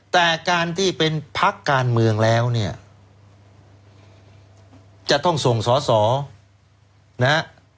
แต่การที่เป็นพักการเมืองแล้วเนี่ยจะต้องส่งสอสอนะฮะ